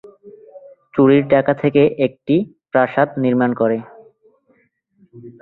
চুরির টাকা থেকে একটি প্রাসাদ নির্মাণ করে।